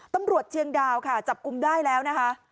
ตำรวจเชียงดาวค่ะจับกลุ่มได้แล้วนะคะ